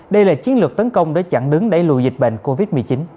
đây là chiến lược tấn công để chặn đứng đẩy lùi dịch bệnh covid một mươi chín